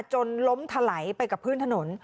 จนล้มถลายไปกับพื้นถนน